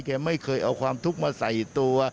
ไม่เคยเอาความทุกข์มาใส่ตัว